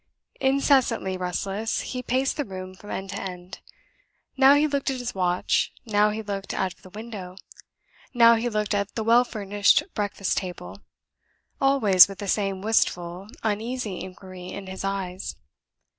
Incessantly restless, he paced the room from end to end. Now he looked at his watch; now he looked out of the window; now he looked at the well furnished breakfast table always with the same wistful, uneasy inquiry in his eyes.